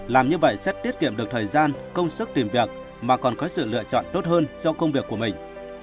làm như vậy sẽ tiết kiệm được thời gian công sức tìm việc mà còn có sự lựa chọn tốt hơn do công việc của mình